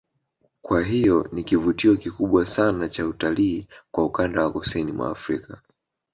Kwa hiyo ni kivutio kikubwa sana cha utalii kwa ukanda wa kusini mwa Afrika